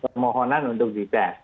permohonan untuk di test